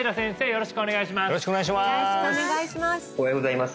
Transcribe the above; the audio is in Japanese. よろしくお願いします